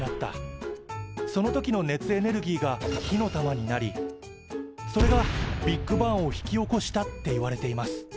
その時の熱エネルギーが火の玉になりそれがビッグバンを引き起こしたっていわれています。